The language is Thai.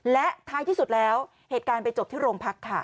และท้ายที่สุดแล้วเหตุการณ์ไปจบที่โรงพักค่ะ